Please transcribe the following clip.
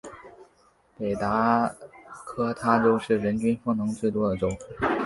北达科他州是人均风能最多的州。